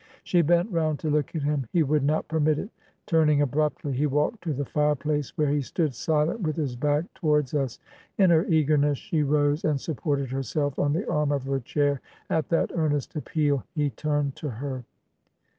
She bent round to look at him : he woujd not permit it : turning abruptly, he walked to the i&replace, where he stood silent with his back towards us. ... In her eagerness she rose, and supported herself on the arm of her chair. At that earnest appesil he turned to her.